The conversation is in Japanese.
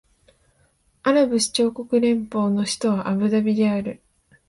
アラブ首長国連邦の首都はアブダビである